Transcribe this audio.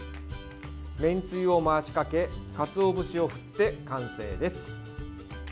めんつゆを回しかけかつお節を振って完成です。